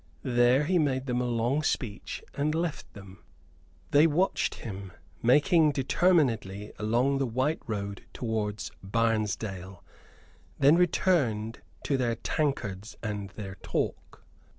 There he made them a long speech and left them. They watched him making determinedly along the white road towards Barnesdale; then returned to their tankards and their talk.